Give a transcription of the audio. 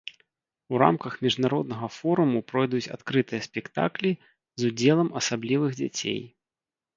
У рамках міжнароднага форуму пройдуць адкрытыя спектаклі з удзелам асаблівых дзяцей.